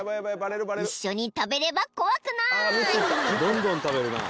［一緒に食べれば怖くない］